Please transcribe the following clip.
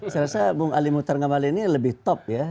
saya rasa bung ali muhtar ngabalin ini lebih top ya